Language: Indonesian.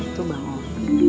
itu bang om